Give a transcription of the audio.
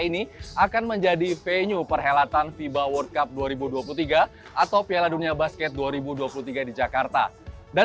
ini akan menjadi venue perhelatan fiba world cup dua ribu dua puluh tiga atau piala dunia basket dua ribu dua puluh tiga di jakarta dan